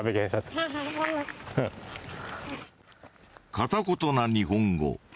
片言な日本語。